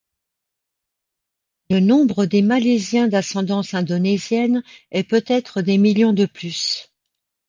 Le nombre des malaisiens d'ascendence indonesienne est peut-être des millions de plus.